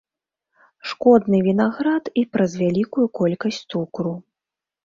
Шкодны вінаград і праз вялікую колькасць цукру.